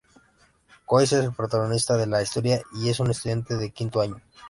Kohei es el protagonista de la historia, y es un estudiante de quinto año.